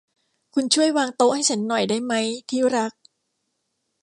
คุณช่วยวางโต๊ะให้ฉันหน่อยได้มั้ย ที่รัก